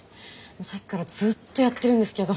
さっきからずっとやってるんですけど。